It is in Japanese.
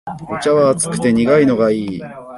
お茶は熱くて苦いのがいい